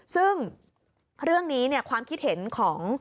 ซึ่งเรื่องนี้ความคิดเห็นของ